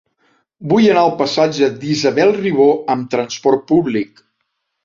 Vull anar al passatge d'Isabel Ribó amb trasport públic.